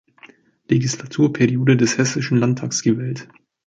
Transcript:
Legislaturperiode des Hessischen Landtags gewählt.